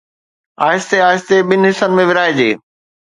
، آهستي آهستي ٻن حصن ۾ ورهائجي.